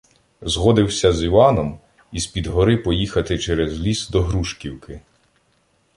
Згодився з Іваном із-під гори поїхати через ліс до Грушківки.